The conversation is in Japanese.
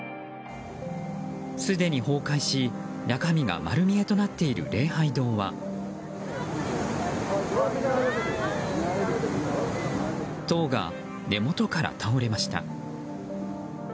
すでに崩壊し中身が丸見えとなっている礼拝堂は塔が根元から倒れました。